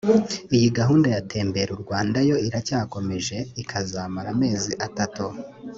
Iyi gahunda ya Tembera u Rwanda yo iracyakomeje ikazamara amezi atatu